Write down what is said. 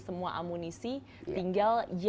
semua amunisi tinggal